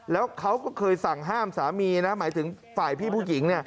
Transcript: แล้วเขาก็เคยสั่งห้ามสามีนะหมายถึงฝ่ายพี่ผู้หญิง